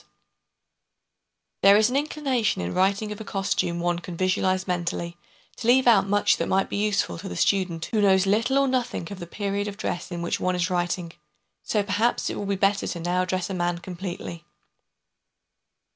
[Illustration: {A man of the time of John; an alternative cuff}] There is an inclination in writing of a costume one can visualize mentally to leave out much that might be useful to the student who knows little or nothing of the period of dress in which one is writing; so perhaps it will be better to now dress a man completely.